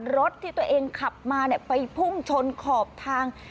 รถที่ตัวเองขับมาไปพุ่งชนขอบทาง